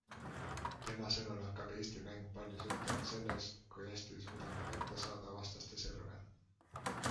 Tema sõnul hakkab Eesti mäng palju sõltuma sellest, kui hästi suudame kätte saada vastaste serve.